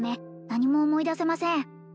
「何も思い出せません」